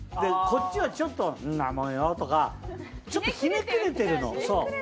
こっちはちょっとんなもんよとかちょっとひねくれてるのそう。